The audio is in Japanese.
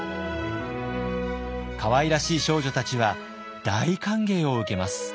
かわいらしい少女たちは大歓迎を受けます。